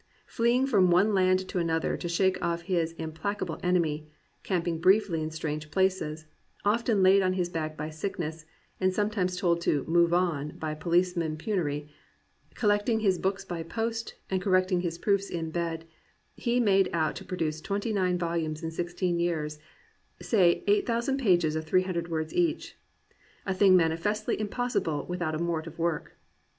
Fleeing from one land to another to shake off his implacable enemy; camp ing briefly in strange places; often laid on his back by sickness and sometimes told to "move on" by Policeman Penury; collecting his books by post and correcting his proofs in bed; he made out to pro duce twenty nine volumes in sixteen years, — say 8,000 pages of 300 words, each, — a thing manifestly impossible without a mort of work.